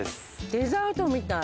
デザートみたい。